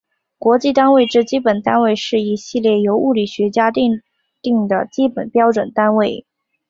国际单位制基本单位是一系列由物理学家订定的基本标准单位。